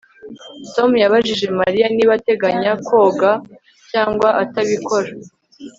Tom yabajije Mariya niba ateganya koga cyangwa atabikora